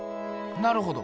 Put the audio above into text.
なるほど。